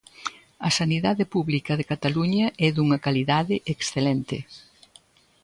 A sanidade pública de Cataluña é dunha calidade excelente.